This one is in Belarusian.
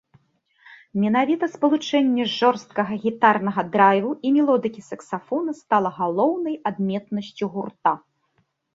Менавіта спалучэнне жорсткага гітарнага драйву і мелодыкі саксафона стала галоўнай адметнасцю гурта.